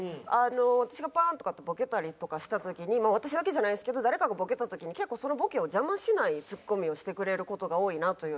私がバーンとかってボケたりとかした時に私だけじゃないですけど誰かがボケた時に結構そのボケを邪魔しないツッコミをしてくれる事が多いなという。